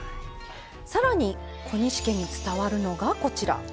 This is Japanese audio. さらに小西家に伝わるのがこちら。